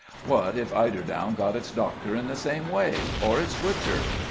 What if Eiderdown got its doctor in the same way, or its butcher?